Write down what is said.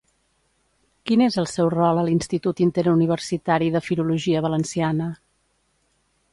Quin és el seu rol a l'Institut Interuniversitari de Filologia Valenciana?